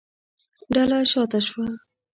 ډله شا ته شوه.